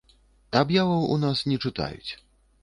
Аб'яваў у нас не чытаюць.